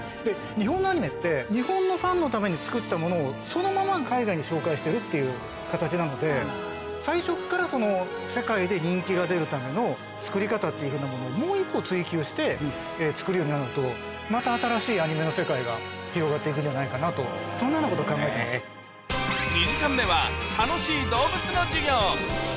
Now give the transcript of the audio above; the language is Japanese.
日本のアニメって、日本のファンのために作ったものを、そのまま海外に紹介しているっていう形なので、最初から世界で人気が出るための作り方っていうものをもう一歩追求して作るようになると、また新しいアニメの世界が広がっていくんじゃないかなと、２時間目は、楽しい動物の授業。